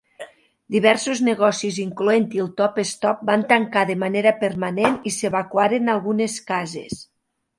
Diversos negocis, incloent-hi el Top Stop, van tancar de manera permanent, i s'evacuaren algunes cases.